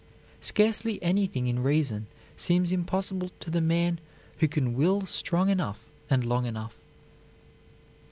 Scarcely anything in reason seems impossible to the man who can will strong enough and long enough.